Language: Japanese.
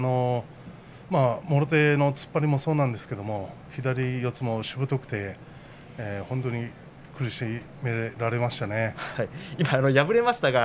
もろ手の突っ張りもそうなんですが左四つもしぶとくて本当に苦しめられましたね。